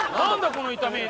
この痛み。